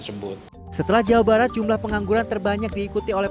setelah jawa barat jumlah pengangguran terbanyak diikuti oleh